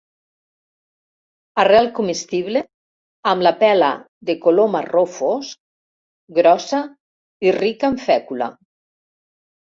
Arrel comestible, amb la pela de color marró fosc, grossa i rica en fècula.